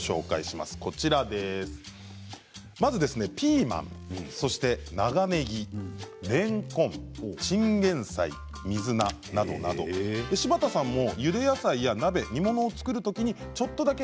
まずピーマン、長ねぎ、れんこんちんげん菜、水菜などなど柴田さんも、ゆで野菜や鍋煮物を作るときに、ちょっとだけ